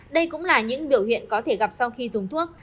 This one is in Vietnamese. đây cũng là những biểu hiện có thể gặp sau khi dùng thuốc